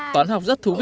toán học rất thú vị